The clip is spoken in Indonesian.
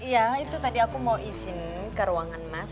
iya itu tadi aku mau izin ke ruangan emas